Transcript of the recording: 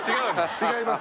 違います。